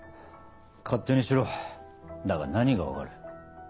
勝手にしろだが何が分かる？